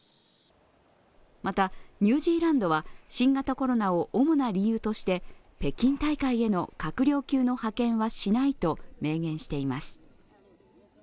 また、ニュージーランドは新型コロナを主な理由として北京大会への閣僚級の派遣はしないと明言しています。